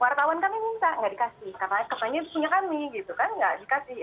wartawan kami minta nggak dikasih katanya punya kami gitu kan nggak dikasih